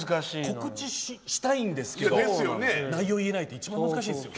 告知したいんですけど内容言えないって一番難しいですよね。